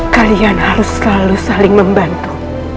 kalian harus selalu saling membantu